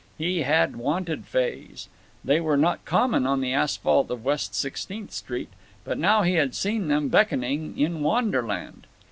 He had wanted fays. They were not common on the asphalt of West Sixteenth Street. But now he had seen them beckoning in Wanderland.